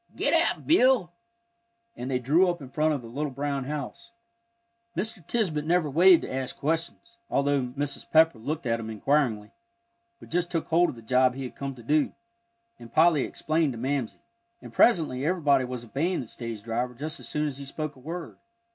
Git ap, Bill!" and they drew up in front of the little brown house. Mr. Tisbett never waited to ask questions, although Mrs. Pepper looked at him inquiringly, but just took hold of the job he had come to do, and Polly explained to Mamsie. And presently everybody was obeying the stage driver just as soon as he spoke a word.